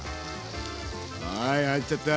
はい入っちゃった。